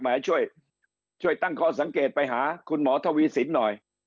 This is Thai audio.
ช่วยช่วยตั้งข้อสังเกตไปหาคุณหมอทวีสินหน่อย